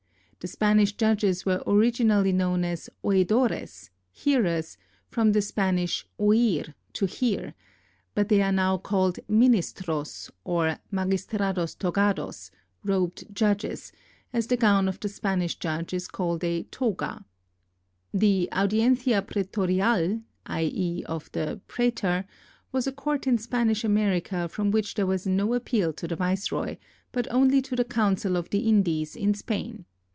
The Spanish judges were originally known as oidores, hearers, from the Spanish oir, to hear; but they are now called ministros, or magistrados togados, robed judges, as the gown of the Spanish judge is called a toga. The audiencia pretorial, i.e. of the praetor, was a court in Spanish America from which there was no appeal to the viceroy, but only to the council of the Indies in Spain.